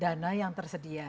dana yang tersedia